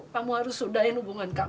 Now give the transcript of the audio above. kamu harus sudahin hubungan kamu